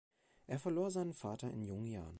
Er verlor seinen Vater in jungen Jahren.